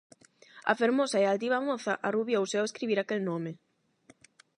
A fermosa e altiva moza arrubiouse ao escribir aquel nome.